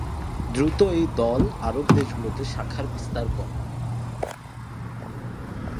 দ্রুত এই দল আরব দেশগুলোতে শাখা বিস্তার করে।